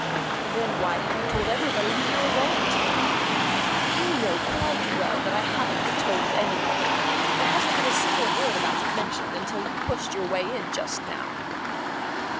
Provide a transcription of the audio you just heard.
"Then why have you told everybody that you are going to?" "You know quite well I haven't told anybody. There hasn't been a single word about it mentioned until you pushed your way in just now."